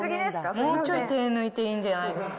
もうちょい手抜いてもいいんじゃないですか？